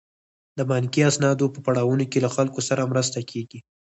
د بانکي اسنادو په پړاوونو کې له خلکو سره مرسته کیږي.